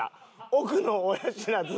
奥の親知らず